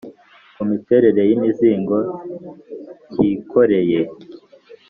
kumiterere y’imizigo kikoreye